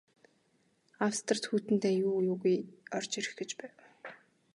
Австрид Хүйтэн дайн юу юугүй орж ирэх гэж байв.